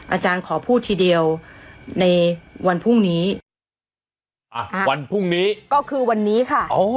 อาจารย์ขอพูดทีเดียวในวันพรุ่งนี้อ่ะวันพรุ่งนี้ก็คือวันนี้ค่ะอ๋อ